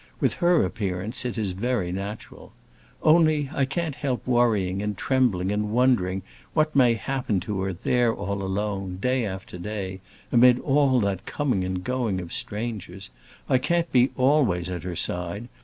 With her appearance it is very natural. Only, I can't help worrying and trembling and wondering what may happen to her there all alone, day after day, amid all that coming and going of strangers. I can't be always at her side.